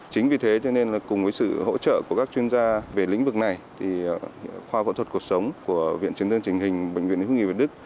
chính vì thế cho nên là cùng với sự hỗ trợ của các chuyên gia về lĩnh vực này thì kho phẫu thuật cuộc sống của viện chiến dân chính hình bệnh viện lý hương nghị việt đức